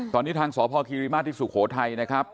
ตอนนี้ทางสพคิริมาตรที่สุโขทัยนะครับ